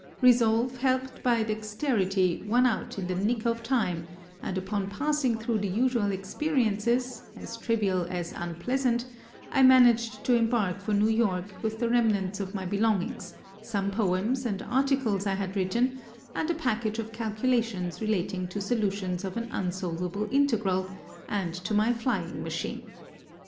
Resolve, helped by dexterity, won out in the nick of time and upon pass ing thru the usual experiences, as trivial as unpleasant, I managed to embark for New York with the remnants of my belongings, some poems and articles I had written, and a package of calculations relating to solu tions of an unsolvable integral and to my flying machine.